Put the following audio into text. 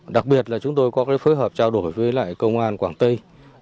đặc biệt là chúng tôi có phối hợp trao đổi với lại công an quảng tây